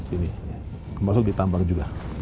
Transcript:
termasuk di tambang juga